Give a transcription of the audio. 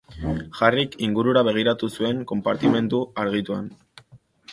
Harryk ingurura begiratu zuen konpartimentu argituan.